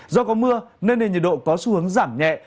do có mưa nên nền nhiệt độ có xu hướng giảm nhẹ